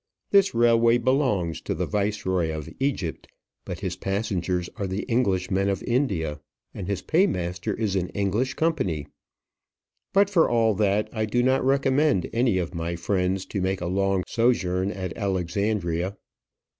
This railway belongs to the viceroy of Egypt; but his passengers are the Englishmen of India, and his paymaster is an English company. But, for all that, I do not recommend any of my friends to make a long sojourn at Alexandria.